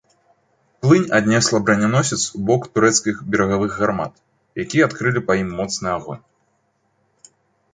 Плынь аднесла браняносец ў бок турэцкіх берагавых гармат, якія адкрылі па ім моцны агонь.